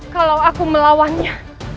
kalau aku melawannya